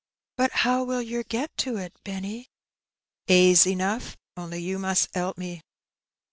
"Bat how will yer get to it, Benny?" "Aisy 'nough, on'y yon most 'elp me."